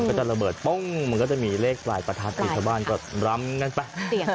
ก็จะระเบิดปุ้งมันก็จะมีเลขปลายประทัดอีกชาวบ้านก็รำกันไป